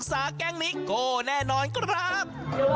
กระป๋าพ่อยโยโลกามีกระป๋าพ่อมีกระป๋าพ่อ